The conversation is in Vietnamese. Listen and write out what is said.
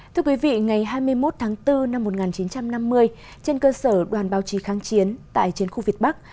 thưa quý vị ngày hai mươi một tháng bốn năm một nghìn chín trăm năm mươi trên cơ sở đoàn báo chí kháng chiến tại trên khu việt bắc